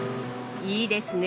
いいですね！